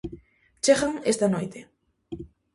-Chegan esta noite.